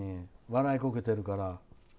笑いこけてるから。